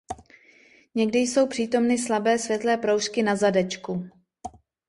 Někdy jsou přítomny slabé světlé proužky na zadečku.